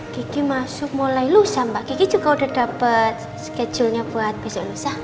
kiki masuk mulai lusa mbak kiki juga udah dapet skedulnya buat besok lusa